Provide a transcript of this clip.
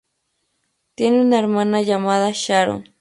Tiene una hermana llamada Sharon.